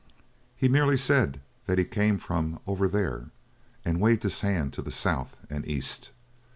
He merely said that he came from 'over there,' and waved his hand to the south and east.